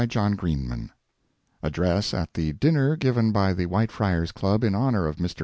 TO THE WHITEFRIARS ADDRESS AT THE DINNER GIVEN BY THE WHITEFRIARS CLUB IN HONOR OF MR.